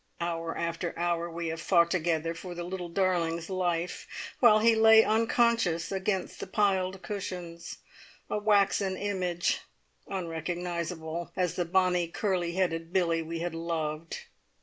Hour after hour we have fought together for the little darling's life, while he lay unconscious against the piled cushions, a waxen image, unrecognisable as the bonnie curly headed Billie we had loved.